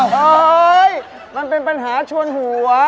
เฮ้ยมันเป็นปัญหาชวนหัว